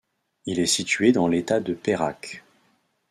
Il est situé dans l'État de Perak.